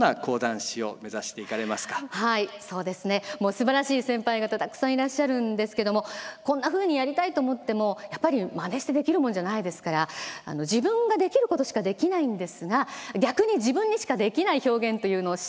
すばらしい先輩方たくさんいらっしゃるんですけども「こんなふうにやりたい」と思ってもやっぱりまねしてできるもんじゃないですから自分ができることしかできないんですが逆に自分にしかできない表現というのをしたいと。